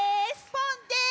ポンです。